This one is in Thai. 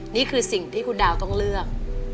นี่คือสิ่งที่คุณดาวต้องเลือก